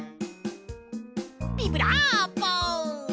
ビブラーボ！